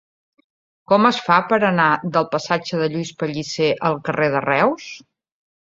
Com es fa per anar del passatge de Lluís Pellicer al carrer de Reus?